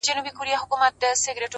که زر کلونه ژوند هم ولرمه”